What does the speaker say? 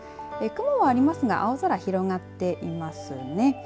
雲はありますが青空広がっていますね。